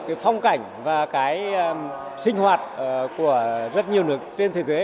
cái phong cảnh và cái sinh hoạt của rất nhiều nước trên thế giới